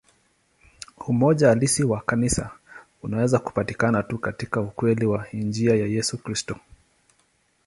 Umoja halisi wa Kanisa unaweza kupatikana tu katika ukweli wa Injili ya Yesu Kristo.